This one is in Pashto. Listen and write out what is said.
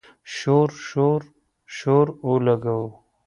شور، شور، شور اولګوو